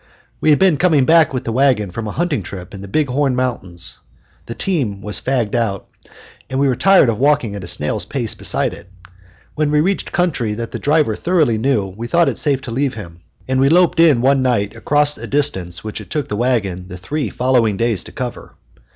We had been coming back with the wagon from a hunting trip in the Big Horn Mountains. The team was fagged out, and we were tired of walking at a snail's pace beside it. When we reached country that the driver thoroughly knew, we thought it safe to leave him, and we loped in one night across a distance which it took the wagon the three following days to cover.